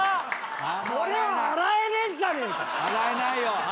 これは洗えねえんじゃねえか⁉洗えないよ。